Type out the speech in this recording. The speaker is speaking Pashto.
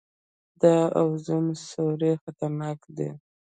د اوزون سورۍ خطرناک دی